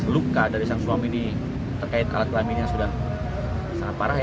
luka dari sang suami ini terkait kalat kelaminnya sudah sangat parah ya